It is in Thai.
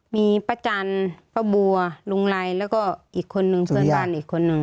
มีป้าจันทร์ป้าบัวลุงไรแล้วก็อีกคนนึงเพื่อนบ้านอีกคนนึง